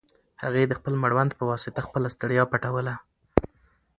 هغې د خپل مړوند په واسطه خپله ستړیا پټوله.